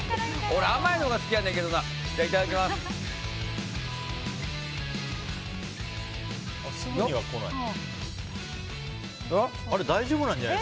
俺、甘いのが好きやねんけどな。